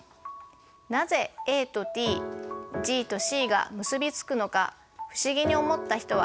なぜＡとＴＧとＣが結び付くのか不思議に思った人はいませんか？